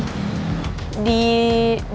sama banget sih jalan kesini